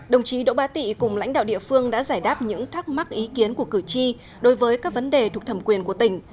đồng chí đỗ bá tị cùng lãnh đạo địa phương đã giải đáp những thắc mắc ý kiến của cử tri đối với các vấn đề thuộc thẩm quyền của tỉnh